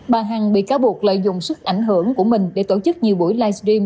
bà hằng bị cáo buộc lợi dụng sức ảnh hưởng của mình để tổ chức nhiều buổi live stream